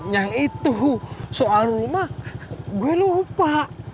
yang itu soal rumah gue lupa